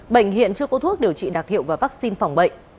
bệnh hiện chưa có thuốc điều trị đặc hiệu và vaccine phòng bệnh